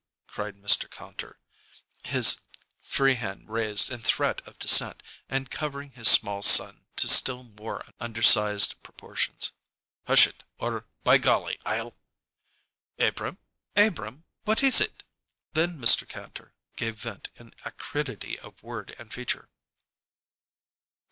cried Mr. Kantor, his free hand raised in threat of descent, and cowering his small son to still more undersized proportions. "Hush it or, by golly! I'll " "Abrahm Abrahm what is it?" Then Mr. Kantor gave vent in acridity of word and feature.